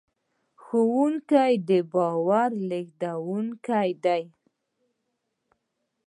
ښوونکي د باور لېږدونکي دي.